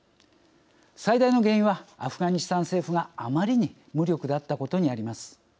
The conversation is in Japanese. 最大の原因はアフガニスタン政府があまりに無力だったことにあります。